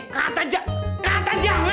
katanya katanya enggak